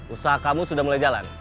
usaha kamu sudah mulai jalan